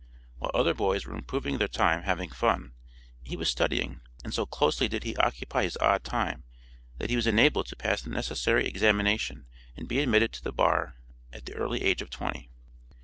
While other boys were improving their time 'having fun,' he was studying, and so closely did he occupy his odd time that he was enabled to pass the necessary examination and be admitted to the bar at the early age of twenty.